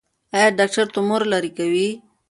ایا ډاکټر تومور لرې کوي؟